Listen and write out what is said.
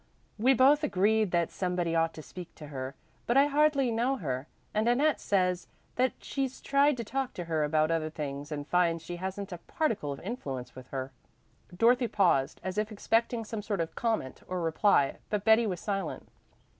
We both agreed that somebody ought to speak to her, but I hardly know her, and Annette says that she's tried to talk to her about other things and finds she hasn't a particle of influence with her." Dorothy paused as if expecting some sort of comment or reply, but Betty was silent.